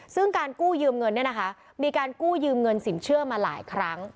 ซึ่งการกู้ยืมเงินเนี่ยนะคะมีการกู้ยืมเงินสินเชื่อมาหลายครั้ง